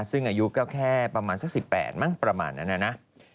ซึ่งอายุแค่ประมาณสัก๑๘ประมาณนั้นนะนะ